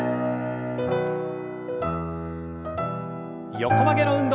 横曲げの運動。